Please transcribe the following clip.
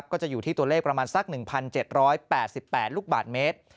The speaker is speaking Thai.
ก็จะอยู่ที่ตัวเลขประมาณสัก๑๗๘๘ลูกบาทเมตร